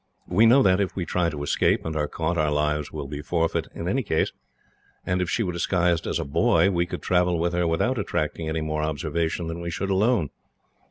We know that, if we try to escape and are caught, our lives will be forfeited in any case; and if she were disguised as a boy, we could travel with her without attracting any more observation than we should alone.